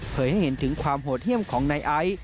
เผยให้เห็นถึงความหดเหี้ยมในไอ้